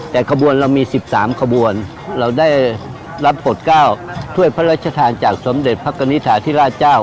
แต่กระบวนเรามี๑๓กระบวนเราได้รับ๖๙ถ้วยพระรัชฐานจากสมเดชพรรกนิษฐาเทียราชเจ้า